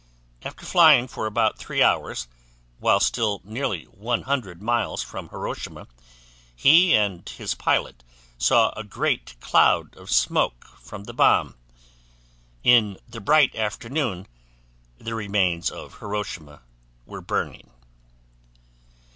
After flying for about three hours, while still nearly 100 miles from Hiroshima, he and his pilot saw a great cloud of smoke from the bomb. In the bright afternoon, the remains of Hiroshima were burning.